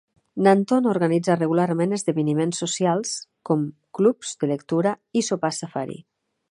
Manton organitza regularment esdeveniments socials, com clubs de lectura i sopars safari.